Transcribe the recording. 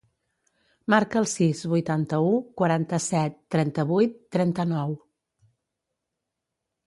Marca el sis, vuitanta-u, quaranta-set, trenta-vuit, trenta-nou.